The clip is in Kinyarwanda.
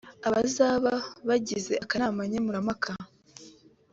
Abazaba bagize akanama nkemurampaka